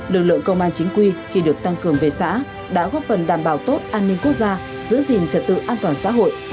lực lượng công an chính quy khi được tăng cường về xã đã góp phần đảm bảo tốt an ninh quốc gia giữ gìn trật tự an toàn xã hội